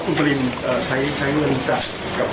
คุณกริมส์ครับ